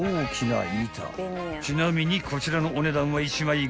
［ちなみにこちらのお値段は１枚５００円］